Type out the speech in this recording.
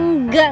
nggak gak gak